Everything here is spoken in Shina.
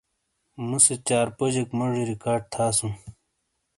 مُو سے چار پوجیک موجی ریکارڈ تھاسوں۔